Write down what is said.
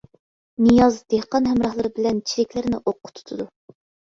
نىياز دېھقان ھەمراھلىرى بىلەن چىرىكلەرنى ئوققا تۇتىدۇ.